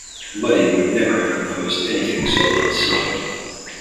Muddy would never have composed anything so unsubtle.